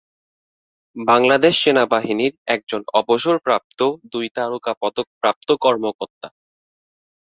বাংলাদেশ সেনাবাহিনীর একজন অবসরপ্রাপ্ত দুই তারকা পদক প্রাপ্ত কর্মকর্তা।